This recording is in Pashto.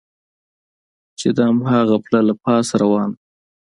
چې د هماغه پله له پاسه روان و.